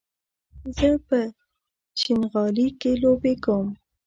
زه په شينغالي کې لوبې کوم